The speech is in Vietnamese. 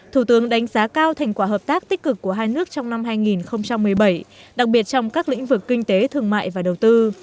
thủ tướng đánh giá cao thành quả hợp tác tích cực của hai nước trong năm hai nghìn một mươi bảy đặc biệt trong các lĩnh vực kinh tế thương mại và đầu tư